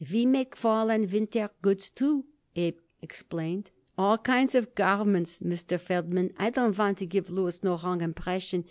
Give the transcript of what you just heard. "We make fall and winter goods, too," Abe explained. "All kinds of garments, Mr. Feldman. I don't want to give Louis no wrong impression.